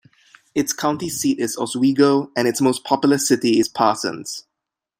Its county seat is Oswego, and its most populous city is Parsons.